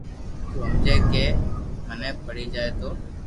تو ھمجي ڪي منين پڙي جائي تو